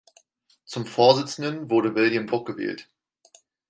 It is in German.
Zum Vorsitzenden wurde Wilhelm Buck gewählt.